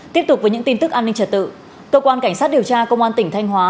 tiếp tục với những tin tức an ninh trật tự cơ quan cảnh sát điều tra công an tỉnh thanh hóa